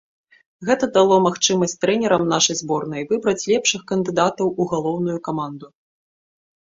Гэта дало магчымасць трэнерам нашай зборнай выбраць лепшых кандыдатаў у галоўную каманду.